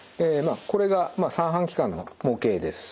これが三半規管の模型です。